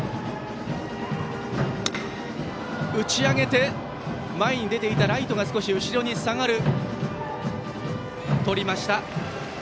打ち上げて前に出ていたライトが少し後ろに下がる。